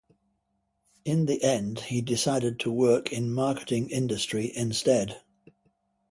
In the end he decided to work in marketing industry instead.